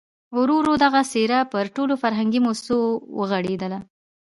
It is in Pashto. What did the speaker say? ورو ورو دغه څېره پر ټولو فرهنګي مؤسسو وغوړېدله.